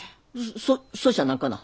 そそしゃ何かな？